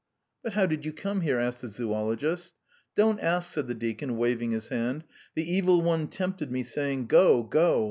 "But how did you come here?" asked the zoologist. "Don't ask," said the deacon, waving his hand. "The evil one tempted me, saying: 'Go, go.